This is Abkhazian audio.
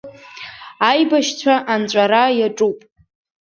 Аибашьцәа анҵәара иаҿуп.